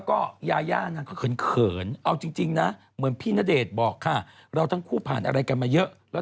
ก็คือรักกังเขาบอกว่ารักกังวงสื่อ